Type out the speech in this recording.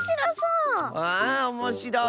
ああおもしろいぞ。